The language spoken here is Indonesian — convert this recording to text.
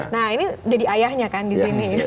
nah ini jadi ayahnya kan di sini